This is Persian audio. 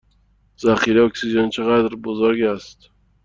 ذخیره اکسیژن چه قدر بزرگ است؟